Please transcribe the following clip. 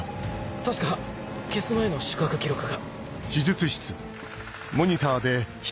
確か消す前の宿泊記録が。